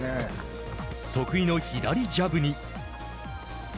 得意の左ジャブに。